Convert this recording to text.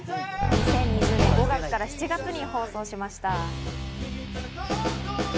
２０２０年５月から７月に放送しました。